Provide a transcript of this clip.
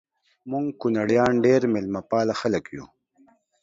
مونږ کونړیان ډیر میلمه پاله خلک یو